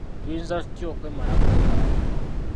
Tuyinza tutya okwemalako obwavu?